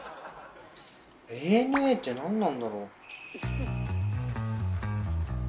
「ＡＮＡ」って何なんだろう？